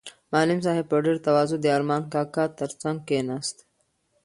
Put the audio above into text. معلم صاحب په ډېرې تواضع د ارمان کاکا تر څنګ کېناست.